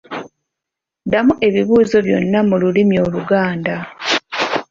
Ddamu ebibuuzo byonna mu lulimi Oluganda.